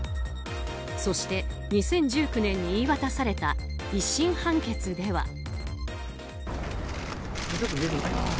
そして、２０１９年に言い渡された１審判決では。